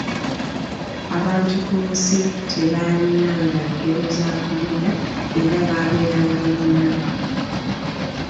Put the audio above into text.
Abantu ku nsi tebaalinanga ngero za kunyumya era baabeeranga mu nnaku.